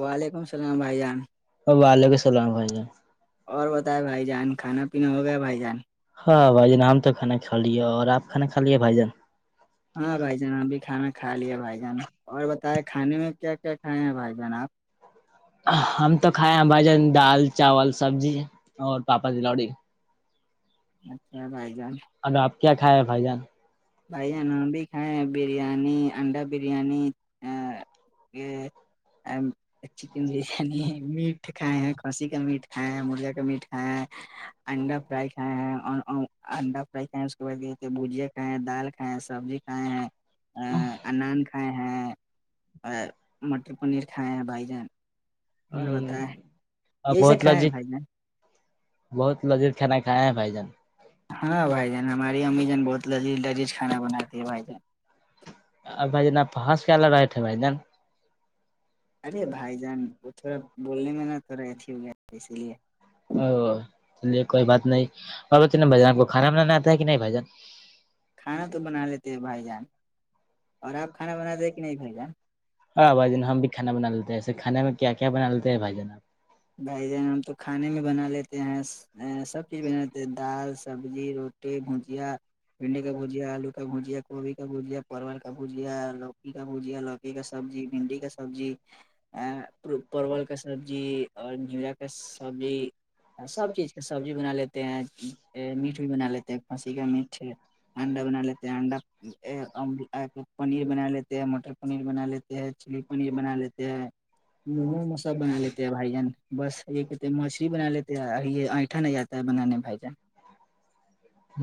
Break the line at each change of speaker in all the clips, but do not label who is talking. وعلیکم السلام بھائی جان
اور وعلیک السلام بھائی ج
اور بتائے بھائی جان کھانا پینا ہو گیا بھائی جان
ہاں بھائی جان ہم تو کھانا کھا لیے اور آپ کھانا کھا لیے بھائی جان
ہاں بھائی جان ہم بھی کھانا کھا لے بھائی جان اور بتائے کھانے میں کیا کیا کھائے ہیں بھائی جان آپ
ہم تو کھائے ہیں بھجن دال چاول سبزی اور پاپا تلوڑی
اچھا رائ جان [inaudible]
اگر آپ کیا کھائے ہیں بھائی جان [inaudible]
بھ جان بھی [inaudible] ہ بریانی انڈا بریانی [inaudible] چکن بریانی ہے میٹ کھائے ہیں کھسی کا میٹ کھاائے ہیں مرغ کا میٹ کھایا ہے [inaudible] انڈا فرائی کھائے ہیں اور انڈا فرائی کھائے اس کے بعد یہ بجیا [inaudible] کھائے ہیں دال کھائے ہیں سبزی کھائے ہیں ا انان کھائے ہیں اور مٹر پنیر کھائے ہیں بھائی جان اور
ہوں
بتائیں
اور
یہی سے
بہتلا
کھائے ہیں
جی [inaudible]
بھائی جان
بہت لذیذ کھانا کھائے ہیں بھائی جان
ہاں بھائی جان ہماری امی جان بہت لی لذیجھانا بناتی ہیں بھائی جان [inaudible]
ا بائی جناپس کیا ل رہے تھے بائی جان [inaudible]
ارے بھائی جان وہ تھوڑا بولنے میں نا تھوڑا اھی ہو گیا اسی لیے [inaudible]
او چلیے کوئی بات نہیں بھان آپ کو کھانا بنانا آتا ہے کہ نہیں بھ جان
کھانا تو بنا لیتے ہیں بھائی جان اور آپ کھانا بنا دے کے نہیں بھیھج جان
کھا بنا لیتے ہیں اسے کھے میں کیا بنا لیتے ہیں بھائی جناب
بھائی جان ہم تو کھانے میں بنا لیتے ہیں سب چیز بناتے ہیں دال سبزی روٹی بھجیا بھنڈی کا بھجیا آلو کا بھجیا کوبھی کا بھجیا پرول کا بھجیا لوکی کا بھجیا لوکی کا سبزی بھنڈی کا سبزی ا پرول کا سبزی اور نھیرا کا سبزی سب چیز [inaudible] سبزی بنا لیتے ہیں میٹ بھی بنا لیتے ہیں کھانسی کا میٹ [inaudible] ہڈا اپن ل ت ہڈا [inaudible] پنیر بنا لیتے ہیں مٹر پنیر بنا لیتے ہیں مچلی پنیر بنا لیتے مومو مومو سب بنا لیتے بھائی جان بس یہ کہتے مچلی بنا لیتے ہیں یہ آٹا نہیں آتا ہے بنانے بائی جان
ہ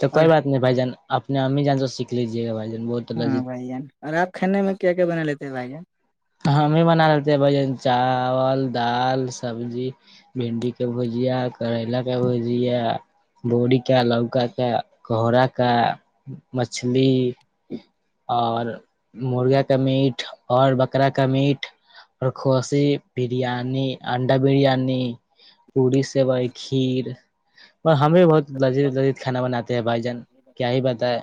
تو
اور
کوئی بات نہیں بھائی جان اپنے امی جان تو سیکھ لیجیے گا بھائی جان ب
ہاں بھائی جان اور آپ کھانے میں کیا کیا بنا لیتے ہیں بھائیان
ہم ہی بنا لیتے ہیں بن چاول دال سبزی بھنڈی کا بھجیا کریلا کے بھجیا بووری کا لوکا کا کورا کا مچھلی اور مرغا کا میٹ اور اکرا کا میٹ اور کوسی بریانی انڈا بریانی پوڑی سیوئی کھیر اور ہم بھی بہت لذ لذ کانا بناتے بھائی جان کیا ہی بتائے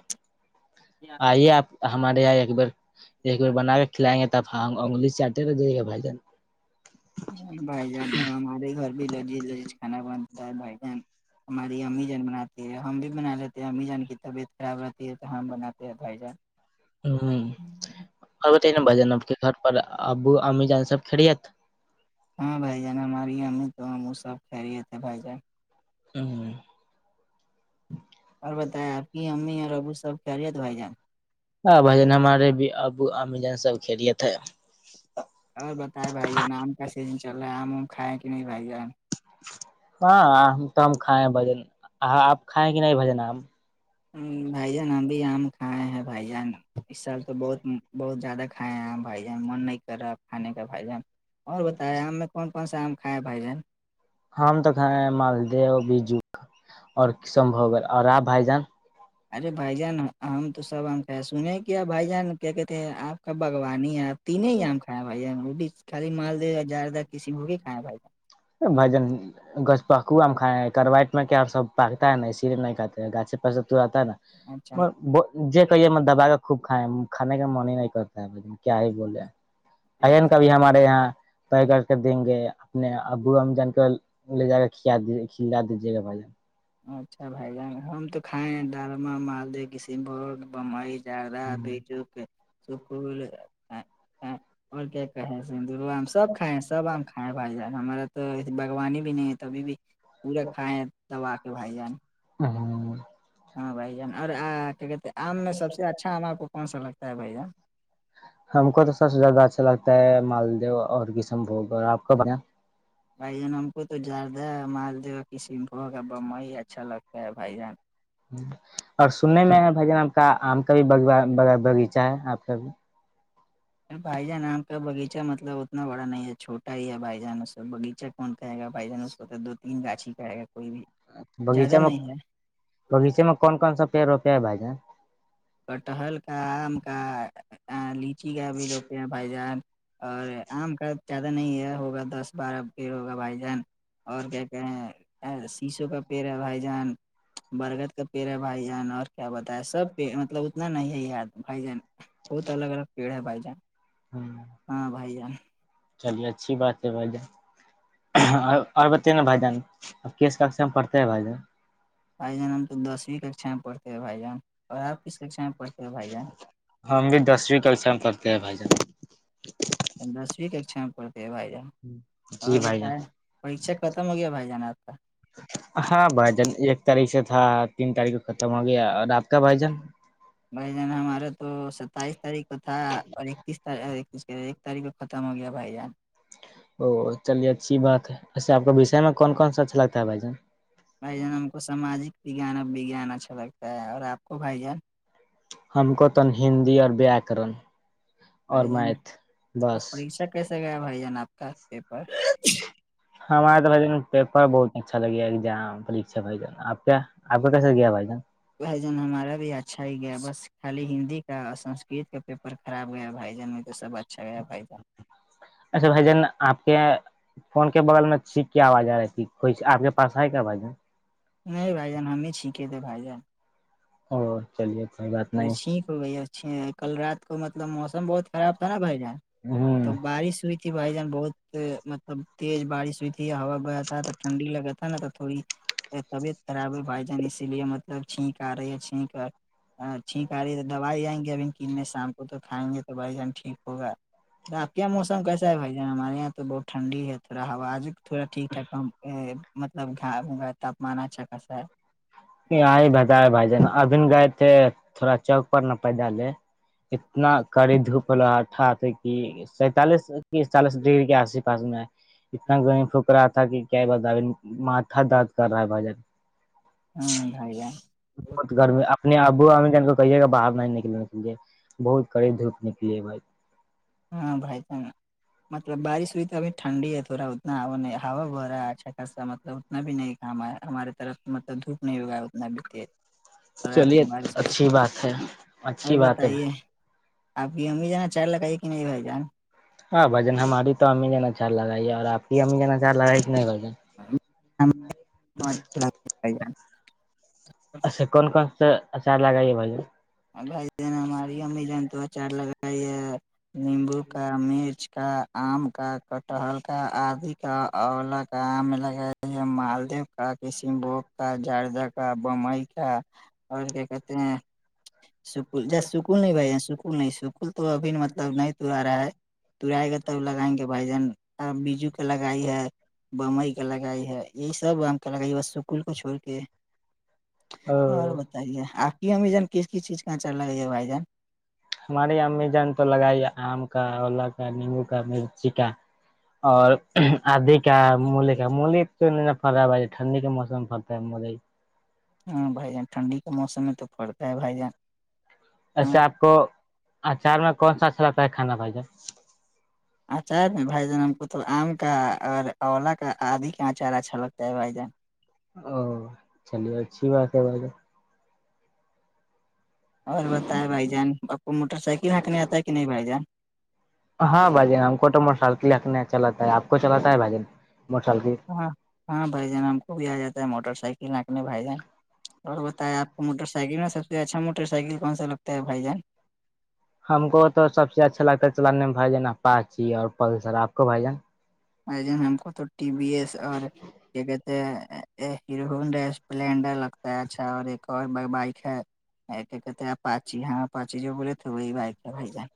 ی
بے آپ ہمارے یہاں ایکار ایکار بنا کے کھلائیں گے تب ہم انگلش چٹے کر جے گا بھائی جان
بھائی جان ہمارے گھر بھی لذیذ لذیذ کانا بنتا ہے بھائی جان ہماری امی جان بناتی ہے ہم بھی بنا لیتے ہیں امی جان کی طبیعت خراب رہتی ہے تو ہم بناتے ہیں بھائی جان
ہوں اور بت نا ب جانا آپ کے گھر پر ابو امی جان سب کھیڑت
جنا ہماراریے ہمیں تو ہم سب رہیے تھے بھ جائ
ہوں
اور بتائ آپ کی امی اور ابو سب کہہ رہیے تو بھائی جان
ہاں بھائین ہمارے بھی ابو اام جان سب کھیلے تھے
اور بتائے بھائی جان آم کا سیزن چل رہا ہے آم ام کھائے کہ نہیں بھائی جان
ہاں تو ہم کھائیں بجن آپ کھائےیں کہ نہیں بجن آ
بھائی جان ابھی آم کھائے ہیں بھائی جان اس سال تو بہت بہت زیادہ کھائے ہیں آ بھائی جان من نہیں کر رہا کھانے کا بھائی جان اور بتیا آ میں کون کون سا آم کائے ہے بھائی جانن
ہم تو مالد بجو اور کشن بھگ اور آپ بھائی جان
ارے بھائی جان ہم تو سب ہم سنے کیا بھائی جان کیا کہتے آپ کا باگوانی ہے آپ تین ہی آم کھیا بھائی ج وہ بھی خالی مالد یا جیادہ کسی ہو کے ہیھایا بھائی
بھجن گچھپکوا کائے کرواٹ میں کیا سب پکتا ہے نا اسی لیے نہیں کاتے گاھے پرس تواتتا ہے نا کہیے م دبا خوب کھیں کانے کا من ہی نہیں کرتا ہے بھائی کیا ہی بولے این
اچھا
کبھی ہمارے یہاں طے کر کے دیں گے اپنے ابو ہم جان کر لے جا کر کلا دیج کھلا دیجیے گا بھ جان
اچھا بھائی جان ہم تو کھائیں ڈرما مالدہ کسی بت بمائی جا
جان
بج کہ سک اور کیا کہ سندرو آم سب کائے سب کھائے بھائی جان ہمارا تو ایے باگوانی بھی نہیں ہے ت ابھی بھی پورے کھائے دبا کے بھائی جان
ہاں
ہاں بھائی جان اور کیا کہتے ہیں آم میں سب سے اچھا آم آپ کو کون سا لگتا ہے بھائی جان
ہم کو تو سب سے زیادہ اچھا لگتا ہے مالدو اور کشم بھگ اور آپ کا بڑھ
بھائی جان ہم کو تو زیادہ مال دا کسیم ب ہوگا با ہی اچھا لگتا ہے بھائی جان
اور سننے میں ہے بھائی جان کا آم کا بھی باغیچہ ہے آپ کا
بھائی جان آام کا بغیچہ مطلب اتنا بڑا نہیں ہے چھٹا ہی ہے بائی جان سب بغیچہ کون کہے گا بھائی جان اس کو تو دو تین گاھ ہی کاے گا کوئی بھی
بغیچے
زیادہ
میں
نہیں ہے
بغیچے میں کون کون سا پیڑ روپے ہے بھائی جان
کٹہل کا آم کا لچی کا بھی روپ بھائی جان اور آم کا زیادہ نہیں ہے ہوگا دس بارہ پڑ ہوگا بھائی جان اور کیا کہیں سیشو کا پیڑ ہے بھائی جان برگد کا پیڑ ہے بھائی جان اور کیا بت ہے سب مطلب اتنا نہیں ہے یار بھائی جان بہت الگ الگ پیڑ ہے بھائی جان ہاں بھائی جان
چلیے اچھی بات ہے بھائی جان اور بت نا بھائی جان اب کیس کا اسے میں پڑتا ہے بھائی جان
بھائی جان ہم تو دسویں ککا میں پڑتے بائی جان اورپ کیس ککشا میں پڑھتے بائی جان
ہم بھی دسویں کشا میں پھتے ہیں بھائی جان
پند دسویں ککشا میں پڑتے ہے بائی جان
ہوں
اور
جی بھائی جان
بتائے پریچا ختم ہو گیا بھائی جانا آپ کا
ہاں بھجن ایک تاریخ سے تھا تین تاریخ کو ختم ہو گیا اور آپ کا بھجن
بھائی جان ہمارا تو ستائیس تاریخ کو تھا اور اکتیس تکس تاریخ کو ختم ہو گیا بھائی جان
او چلیے اچھی بات ہے ایسے آپ کا وشے میں کون کون سا اچھا لگتا ہے بھائی جان
بھائی جان ہم کو ساماجک وان گان اچھا لگتا ہے اور آپ کو بھائی جان
ہم کو تو ہندی اور ویااکرن اور
بھائی جان
مت
اب
بس
پریچا کیسے گیا بھائی جان آپ کا پیپر
ہاں آ تو بجے پیپر بہت اچھا لگے ایگزام پریھا بھائی جان آپ کیا آپ کا کیسے گیا بھائی جان
بھجن ہمارا بھی اچھا ہی گیا بس خالی ہندی کا اور سنسکرت کا پیپر خراب گیا بھائی جان میں تو سب اچھا گیا بھائی جان
اچھا بھائی جان آپ کے فون کے بغل میں چیک کیا آواز آ رہی تھی ہو آپنے پاس کیا بھائی
نہیں بھائی جان ہمیں چھینکے تھے بھائی جان
اور چلیے ا سح بات
ابھی
نہیں ہ
چھینک ہو گئی کل رات کو مطلب موسم بہت خراب تھا نا بھر جائے تو بارش ہوئی بھائی جان بہت مطلب تیز بارش ہوئی تھی ہوا گیا تھا تو ٹھنڈی لگا تھا نا تو تھوڑی طبیعت خراب ہے بھائی جان اسی لیے مطلب چھینک آ رہے ہے چھینک کر ہاں ٹھیک آ رہی ہے تو دوائی جائیں گے ابھی کیننے شامپو تو کھائیں گے تو بھائی جان ٹھیک ہوگا تو آپ کے یہ موسم کیسا ہے بھائی جان ہمارے یہاں تو بہت ٹھڈی ہے تھوڑا ہوا تھوڑا ٹھیک ٹھاک کام مطلب گھ گا تاپمان اچھا خاصا ہے
یہ ہی بتائے بھائی جان ابھی گئے تھے تھوڑا چوک پر نہ پیدا لے اتنا کری دھوپ ل ہٹٹا کہ سینتالیس چالیس ڈگری کے آسے پاس میں ہے اتنا گرمی پک ک رہا تھا کہ کیا بتا ماتھا دد کر رہا ہے بھ جن
ہاں بھائی جان
بہت گرمی اپنے ابو ا کہیے گا باہر نہیں نکلنے بہت کڑی دھوپ نکلیے بے
ہاں بھائی س مطلب بارش ہوئی تو ابھی ٹھنڈی ہے تھوڑا اتنا ہوا نہیں ہوا بہ رہا ہے اچھا خاصا مطلب اتنا بھی نہیں کاما ہے ہمارے طرف مطلب دھوپ نہیں ہوگا اتنا بھی تیز اور آات
چلیے
کے بار سے
اچھی بات ہے
اور
اچھی بات ہے
بتائیے
بھائی۔
آپ بھی ہمیں جانا چارج لگائیے کہ نہیں بھائی جان
ہاں بھجن ہماری تو امی جا ا چاار لگائی ہے اور آپ کی امی جا ا چاار لگائیت نہیں بھجن ہاں
جان
اچھا کون کون سا اچار لگائیے بھائی
بھائی جن ہماری م ج تو اچار لگائی نیمبو کا مرچ کا آم کا کٹہل کا آدی کا اولا کا آم لگا ہے مالدیو کا کسیم بوگ کا جاردہ کا بمئی کا اور کیا کہتے ہیں سکول جی سکول نہیں بھائی سکول نہیں سکول تو ابھی مطلب نہیں توور رہا ہے تورائے گا توب لگائیں گے بھائی جان بیجو کے لگائی ہے بمئی کا لگائی ہے یہی سب بم کا لگائی سکل کو چھڑ کے اور
او
بتائیے آ امی جان کس کس چیز کا اچر لگے ہے بھائی جان
ہماری امی جان نے تو لگائی ہے آم کا اولا کا نیبو کا مرچی کا اور کا ملی کا ملی را ہے بھائی ٹھنڈی کے موسم پ فرتا ہے مجائی
ہ بھائی جان ٹھنڈی کے موسم میں تو پرتا ہے بھائی جان
ایسے
ہاں
آپ کو اچار میں کون سا اچھا لگتا ہے کھانا بھائی جا
اچار میں بھائی جان ہم کو تو آم کا اور اولا کا آدھی کا اچار اچھا لگتا ہے بھائی جان
او چلیے اچھی بات ہے بات
اور بت بھائی جان آپ کو موٹر سائیکل ہانکنے آتا ہے کہ نہیں بھائی جان
ہاں بھائین ہم کو تو موٹر سائیکل رکھنے چلاتا ہے آپ کو چلا ہے بھائین موٹر سائیکل
ہاں ہاں بھائی جان ہم کو بھی آ جاتا ہے موٹر سائیکل آنکھنے بھائی جان اور بتائے آپ کو موٹر سائل میں سب سے اچھا موٹر سائیکل کون سا لگتا ہے بھائی جان
ہم کو تو سب سے اچھا لگتا ہے چلانے بھائی جانا پاچی اور پلسر آپ کو بھائی جان
آ جن ہم کو تو ٹی بی ایس اور کیا کہتے ہیں ہیرو اسپلینڈر لگتا ہے اچھا اور ایک اور بائک ہے ایک ایک کہ تھ پچی ہاں پچی جو بولے تھ بائی جائے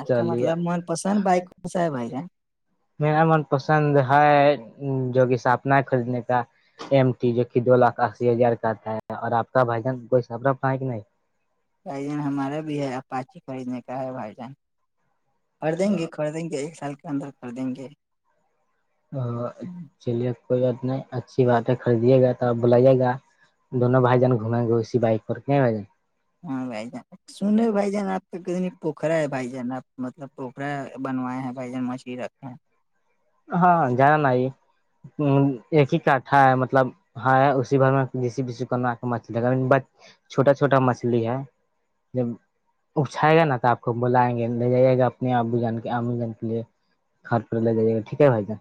آپ کا
چلیے
مطلب من پسند بائک کونسا ہے بھائی جان
میرا من پسند ہے جو کہ ساپنا ہے خریدنے کا ایم ٹی جو کہ دو لاکھ اسی ہزار کا تھا ہے اور آپ کا بھجن کوئی سفر ہے کہ نہیں
بھائی جان ہمارا بھی ہے اپاچی خریدنے کا ہے بھائی جان خ دیں گے خدیں گے ایک سال کے اندر خدیں گے
ا چلیے کوئی بات نہیں اچھی بات ہے خریدیے گا تو بلائیے گا دونوں بھائی جان گھومیں گے اسی بائک پر ب
ہاں بائی جان سنو بائی جانا کتنی پوکھرا ہے بھائی جان آپ مطلب پوکھرا بنوائے ہیں بھائی جان مچھلی رکھے ہیں
ہاں جانا نہیں ایک ہی کاٹھا ہے مطلب ہاں اسی بھر میں ج کوا کے مچھ چھوٹا چھوٹا مچھلی ہے جب اپچھائے
ہیں
گا نا تو آپ کو بلائیں گے لے جائیے گا اپنے آو جان کے آ جان کے لیے گھر پ لے جائیے گا ٹھیک ہے بھائی جان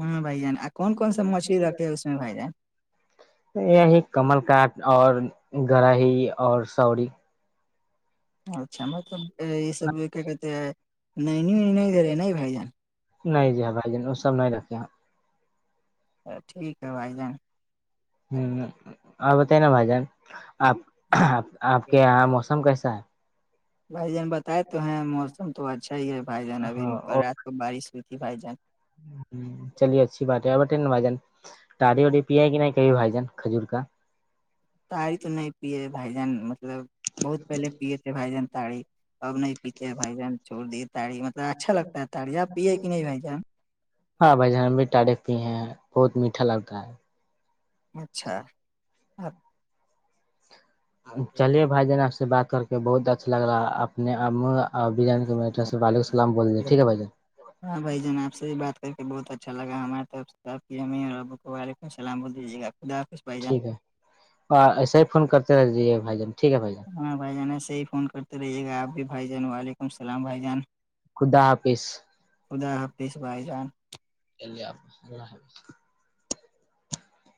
ہاں بھائی جان کون کون سا مچھلی رکھے اس میں بھائی جان
یہی کمل کاٹ اور گر ہیی اور سوری
اچھا مطلب یہ سب کیا کہتے ہیں ن نیو نہیں دے رہے نہیں بائی جان
نہیں جی ہاں بھائی جن وہ سب نہیں رکھے
ٹھیک ہے بھائی جان
ہ اور بتائی نا بھائی جان آپ آپ کے یہاں موسم کیسا ہے
بھائی جان بتائے تو ہیں موسم تو اچھا ہی ہے بھائی جان ابھی
ہاں
رات کو بارش ہوئی تھی بھائی جان
ہ چلیے اچھی بات ہے اور ب ب جان تاڑی وڑی پیا ہے کی نہیں چئی بھائی جان کھجور کا
تڑی تو نہیں پیے تھ بھائی جان مطلب بہت پہلے پیے تھے بھائی جان تڑی اب نہیں پیتے ہیں بھائی جان چھوڑ دیے تاڑی مطلب اچھا لگتا ہے تاریی اب پیے کہ نہیں بھائی جان
ہاں بھائی جان بھی ٹارے پی ہیں بہت میٹا لگتا ہے
اچھا آپ
چلیے بھائی جان آپ سے بات کر کے بہت اچھا لگ رہ اپنے آ اور بریانیٹر سے والالک السام بولے ٹھ ہے بھائیان
ہاں بھائی جان آپ سے بھی بات کر کے بہت اچھا لگا ہمارےیں اب [unintelligible]
ٹھیک ہے اور ایسا ہی فون کرتے رہجیے بھائی جان ٹھیک ہے بھائی جان
ہاں بھائی جان ایسے ہی فون کرتے رہیے گا آپ بھی بھائی جان وعلیکم السلام بھائی جان
خدا حافظ
خدا حافظ بائی جان
چلیے آپ اللہ حافظ